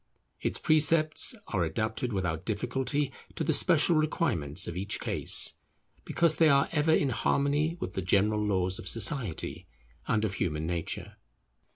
Its precepts are adapted without difficulty to the special requirements of each case, because they are ever in harmony with the general laws of society and of human nature.